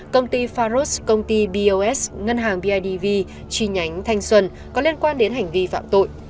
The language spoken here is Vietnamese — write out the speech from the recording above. công ty faros công ty bos ngân hàng bidv chi nhánh thanh xuân có liên quan đến hành vi phạm tội